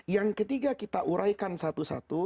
yang ketiga kita uraikan satu satu